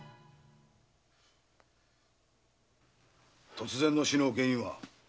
突然の死の原因は？